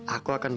aku akan produksi